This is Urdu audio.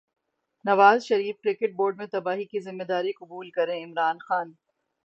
نواز شریف کرکٹ بورڈ میں تباہی کی ذمہ داری قبول کریں عمران خان